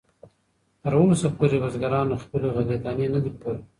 تراوسه پورې بزګرانو خپلې غلې دانې نه دي پلورلې.